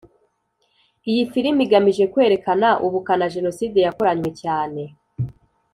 Iyi filimi igamije kwerekana ubukana Jenoside yakoranywe cyane